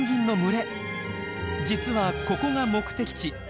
実はここが目的地。